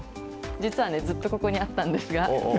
実は、ずっとここにあったんですが。